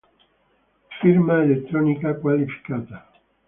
Firma elettronica qualificata.